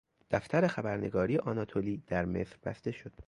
دفتر خبرگزاری آناتولی در مصر بسته شد.